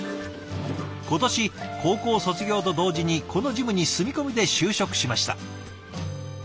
今年高校卒業と同時にこのジムに住み込みで就職しました。